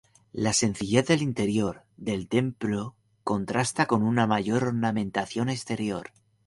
La sencillez del interior del templo contrasta con una mayor ornamentación exterior.